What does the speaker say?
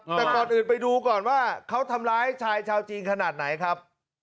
แต่ก่อนอื่นไปดูก่อนว่าเขาทำร้ายชายชาวจีนขนาดไหนครับ